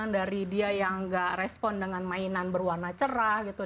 dari dia yang tidak respon dengan mainan berwarna cerah